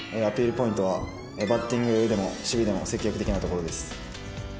ポイントはバッティングでも守備でも積極的なところです。